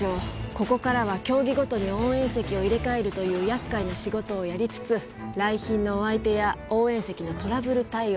ここからは競技ごとに応援席を入れ替えるというやっかいな仕事をやりつつ来賓のお相手や応援席のトラブル対応